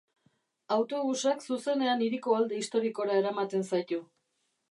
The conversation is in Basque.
Autobusak zuzenean hiriko alde historikora eramaten zaitu.